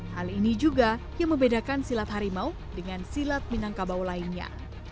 hal ini juga yang membedakan silat harimau dengan silat minangkabau lainnya